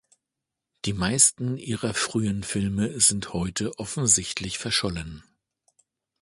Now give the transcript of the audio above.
Die meisten ihrer frühen Filme sind heute offensichtlich verschollen.